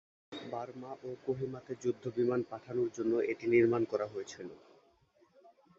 Burma ও কোহিমা তে যুদ্ধ বিমান পাঠানোর জন্য এটি নির্মাণ করা হয়েছিল।